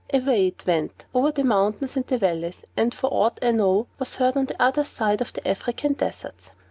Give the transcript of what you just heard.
Away it went, over mountains and valleys, and, for aught I know, was heard on the other side of the African deserts.